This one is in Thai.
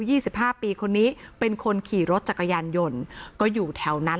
สิบห้าปีคนนี้เป็นคนขี่รถจักรยานยนต์ก็อยู่แถวนั้น